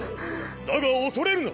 だが恐れるな！